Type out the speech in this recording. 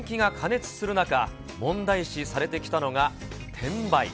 人気が過熱する中、問題視されてきたのが転売。